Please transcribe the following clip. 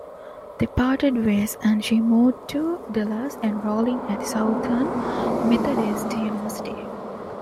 They parted ways and she moved to Dallas, enrolling at Southern Methodist University.